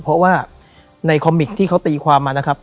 เพราะว่าในคอมมิกที่เขาตีความมานะครับ